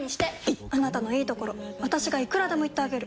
いっあなたのいいところ私がいくらでも言ってあげる！